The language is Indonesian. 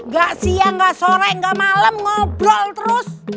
gak siang gak sore gak malem ngobrol terus